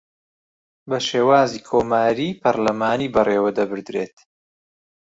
بە شێوازی کۆماریی پەرلەمانی بەڕێوەدەبردرێت